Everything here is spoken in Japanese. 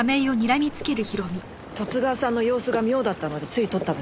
十津川さんの様子が妙だったのでつい撮っただけです。